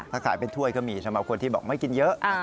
ถ้าขายเป็นถ้วยก็มีสำหรับคนที่บอกไม่กินเยอะ